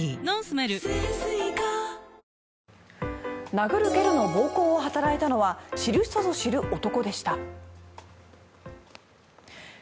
殴る蹴るの暴行を働いたのは知る人ぞ知る男でした。